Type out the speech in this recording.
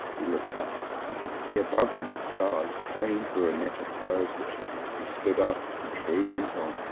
He looked up; he could see above him the stars plain through a net of furze bushes. He stood up and True went on.